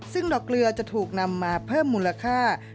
ซึ่งดอกเกลือจะถูกนำมาเพิ่มมูลค่า